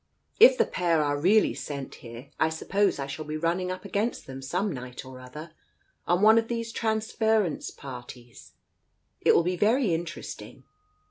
If the pair are really sent here, I suppose I shall be running up against them some night or other, on one of these trans + ference parties. It will be very interesting.